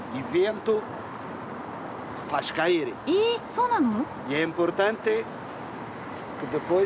そうなの！？